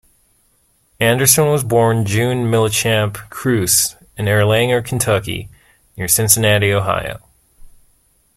Anderson was born June Millichamp Kruse in Erlanger, Kentucky, near Cincinnati, Ohio.